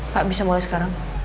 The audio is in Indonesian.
pak bisa mulai sekarang